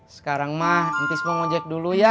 sekarang mah nanti saya mau ngajak dulu ya